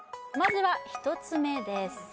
まずは１つ目です